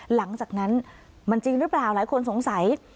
หลังจากนั้นมันจริงหรือเปล่าหลายคนสงสัย